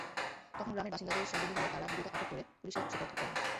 তখন গ্রামের বাসিন্দাদের সন্দেহ হলে তাঁরা বিটুলকে আটক করে পুলিশে সোপর্দ করেন।